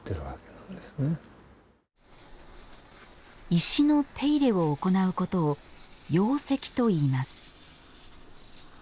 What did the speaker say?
石の手入れを行うことを養石と言います。